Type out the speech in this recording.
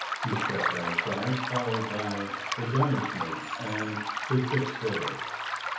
He stepped outside, followed by the gunner's mate and the six sailors.